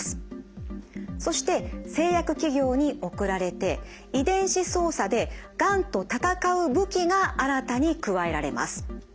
そして製薬企業に送られて遺伝子操作でがんと戦う武器が新たに加えられます。